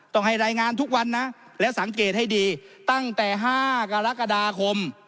ต้องให้รายงานทุกวันนะและสังเกตให้ดีตั้งแต่๕กรกฎาคม